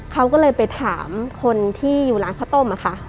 เขาก็เลยไปถามคนที่อยู่ร้านข้าวต้มค่ะ